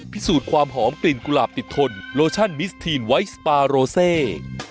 พิสูจน์ความหอมกลิ่นกุหลาบติดทนโลชั่นมิสทีนไวท์สปาโรเซ